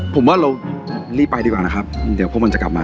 ผมว่าเรารีบไปดีกว่านะครับเดี๋ยวพวกมันจะกลับมา